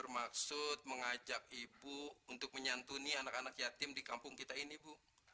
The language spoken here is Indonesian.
maksud mengajak ibu untuk menyantuni anak anak yatim di kampung kita ini bu